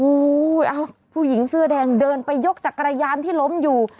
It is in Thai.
โอ้โหเอ้าผู้หญิงเสื้อแดงเดินไปยกจักรยานที่ล้มอยู่